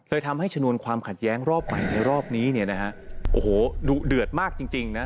ทำให้ชนวนความขัดแย้งรอบใหม่ในรอบนี้เนี่ยนะฮะโอ้โหดุเดือดมากจริงนะ